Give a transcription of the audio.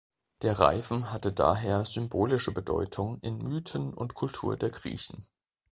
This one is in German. Der Reifen hatte daher symbolische Bedeutung in Mythen und Kultur der Griechen.